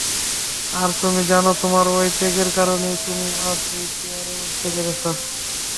আর তুমি জানো তোমার সেই ত্যাগের কারণেই তুমি আজ এই চেয়ারে বসতে পেরেছো।